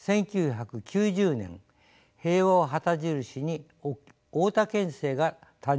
１９９０年「平和」を旗印に大田県政が誕生しました。